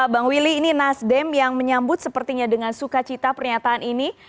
bang willy ini nasdem yang menyambut sepertinya dengan sukacita pernyataan ini